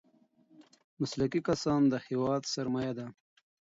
مسلکي کسان د هېواد سرمايه ده.